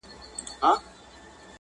د ننګرهار په ګرم موسم کې